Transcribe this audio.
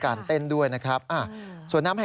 ขณะที่เฟสบุ๊คของสวนน้ำยังไม่เสร็จนะครับ